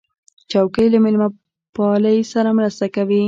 چوکۍ له میلمهپالۍ سره مرسته کوي.